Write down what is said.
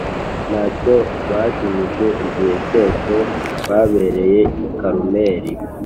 nta cyo bajimije igihe cyose babereye i Karumeli,